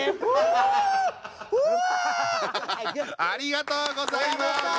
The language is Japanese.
ありがとうございます！